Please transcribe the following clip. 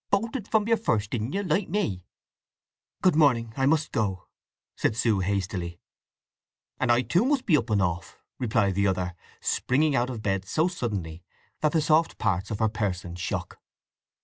"Bolted from your first, didn't you, like me?" "Good morning!—I must go," said Sue hastily. "And I, too, must up and off!" replied the other, springing out of bed so suddenly that the soft parts of her person shook.